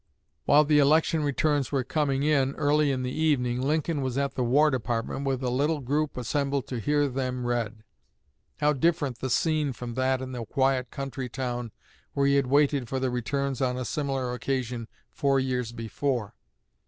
While the election returns were coming in, early in the evening, Lincoln was at the War Department with a little group assembled to hear them read. How different the scene from that in the quiet country town where he had waited for the returns on a similar occasion four years before!